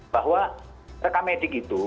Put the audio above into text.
bahwa rekam medik itu